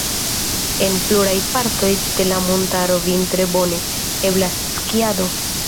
En pluraj partoj de la montaro vintre bone eblas skiado.